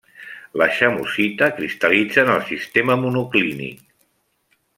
La chamosita cristal·litza en el sistema monoclínic.